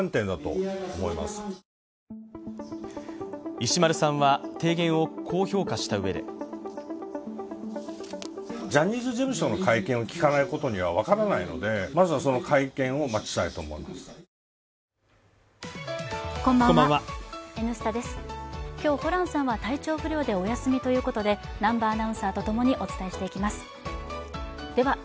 石丸さんは提言をこう評価したうえで今日、ホランさんは体調不良でお休みということで南波アナウンサーとともにお伝えしていきます。